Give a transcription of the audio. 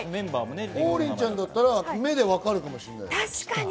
王林ちゃんだったら目でわかるかもしれない。